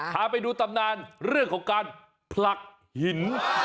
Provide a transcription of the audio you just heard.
พาไปดูตำนานเรื่องของการผลักหิน